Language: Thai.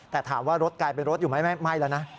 แต่ถามว่ารถกลายเป็นรถอยู่ไหมไม่แล้วนะ